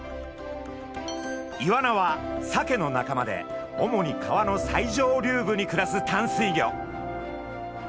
イワナはサケの仲間で主に川の最上流部に暮らす淡水魚。